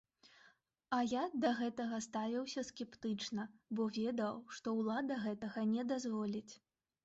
А я да гэтага ставіўся скептычна, бо ведаў, што ўлада гэтага не дазволіць.